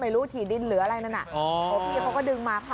ไม่รู้ถี่ดินหรืออะไรนั่นโอเคเขาก็ดึงมา